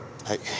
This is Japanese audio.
はい。